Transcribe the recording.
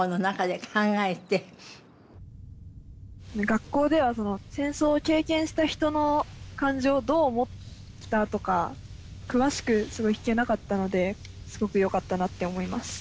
学校では戦争を経験した人の感情をどう思ったとか詳しく聞けなかったのですごくよかったなって思います。